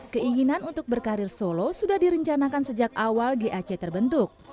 keinginan untuk berkarir solo sudah direncanakan sejak awal gac terbentuk